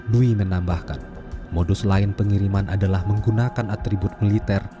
dwi menambahkan modus lain pengiriman adalah menggunakan atribut militer